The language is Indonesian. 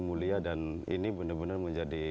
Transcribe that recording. mulia dan ini benar benar menjadi